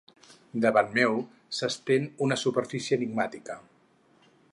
Davant meu s'estén una superfície enigmàtica.